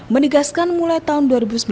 menegaskan mulai tahun dua ribu sembilan belas